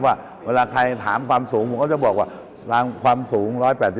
ว่าเวลาใครถามความสูงผมก็จะบอกว่าความสูง๑๘๐